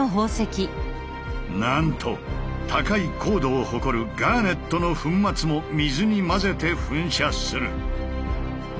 なんと高い硬度を誇るガーネットの粉末も水に混ぜて噴射する。